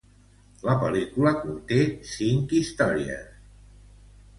La pel·lícula conté cinc històries.